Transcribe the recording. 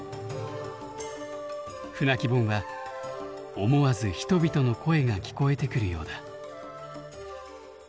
「舟木本」は思わず人々の声が聞こえてくるようだ。